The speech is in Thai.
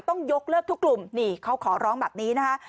ต้องยกเลิกทุกกลุ่มนี่เขาขอร้องแบบนี้นะคะ